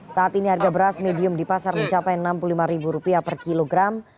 saat ini harga beras medium di pasar mencapai enam puluh lima rupiah per kg